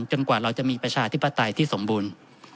กว่าเราจะมีประชาธิปไตยที่สมบูรณ์